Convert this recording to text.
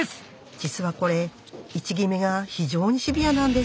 実はこれ位置決めが非常にシビアなんです。